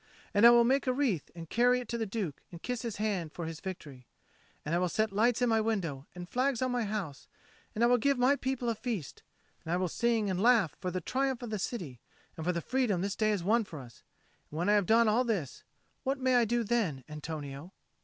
And I will make a wreath and carry it to the Duke and kiss his hand for his victory. And I will set lights in my window and flags on my house; and I will give my people a feast; and I will sing and laugh for the triumph of the city and for the freedom this day has won for us: and when I have done all this, what may I do then, Antonio?"